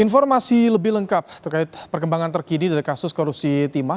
informasi lebih lengkap terkait perkembangan terkini dari kasus korupsi timah